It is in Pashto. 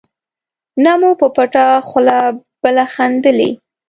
نه مو په پټه خوله بله خندلي.